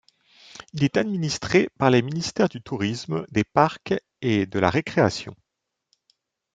Il est administré par le ministère du Tourisme, des Parcs et de la Récréation.